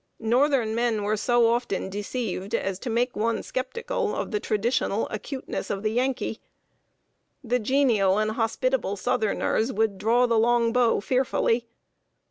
Northern men were so often deceived as to make one skeptical of the traditional acuteness of the Yankee. The genial and hospitable southerners would draw the long bow fearfully.